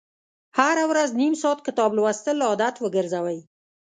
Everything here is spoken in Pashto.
هره ورځ نیم ساعت کتاب لوستل عادت وګرځوئ.